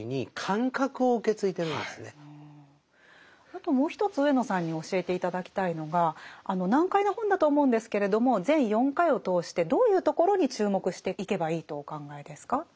あともう一つ上野さんに教えて頂きたいのが難解な本だと思うんですけれども全４回を通してどういうところに注目していけばいいとお考えですか？